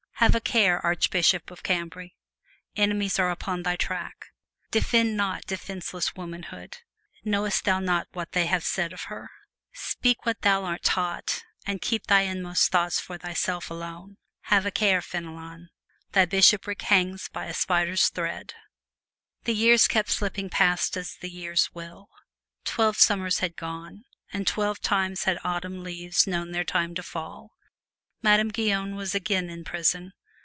Have a care, Archbishop of Cambrai! Enemies are upon thy track. Defend not defenseless womanhood: knowest thou not what they have said of her? Speak what thou art taught and keep thy inmost thoughts for thyself alone. Have a care, Fenelon! thy bishopric hangs by a spider's thread. The years kept slipping past as the years will. Twelve summers had come, and twelve times had autumn leaves known their time to fall. Madame Guyon was again in prison.